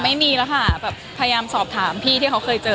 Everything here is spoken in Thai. ไม่มีแล้วค่ะแบบพยายามสอบถามพี่ที่เขาเคยเจอ